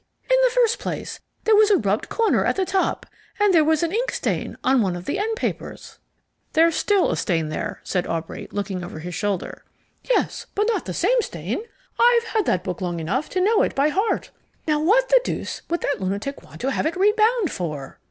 In the first place, there was a rubbed corner at the top; and there was an ink stain on one of the end papers." "There's still a stain there," said Aubrey, looking over his shoulder. "Yes, but not the same stain. I've had that book long enough to know it by heart. Now what the deuce would that lunatic want to have it rebound for?"